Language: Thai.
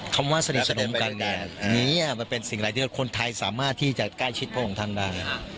คำว่าสนิทสนมกันนี้มันเป็นสิ่งอะไรที่คนไทยสามารถที่จะใกล้ชิดพระองค์ท่านได้